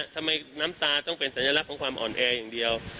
น้ำตาต้องเป็นสัญลักษณ์ของความอ่อนแออย่างเดียว